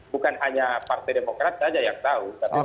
bukan hanya partai demokrat saja yang tahu